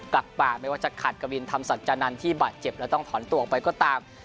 กลับป่าไม่ว่าจะขัดกวินธรรมสัจจานันทร์ที่บาดเจ็บแล้วต้องถอนตัวออกไปก็ตาม